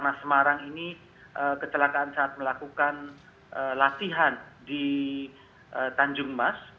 nah semarang ini kecelakaan saat melakukan latihan di tanjung mas